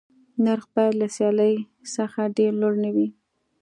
نرخ باید له سیالۍ څخه ډېر لوړ نه وي.